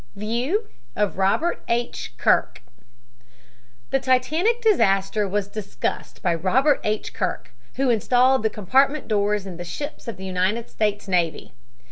VIEW OF ROBERT H. KIRK The Titanic disaster was discussed by Robert H. Kirk, who installed the compartment doors in the ships of the United States Navy.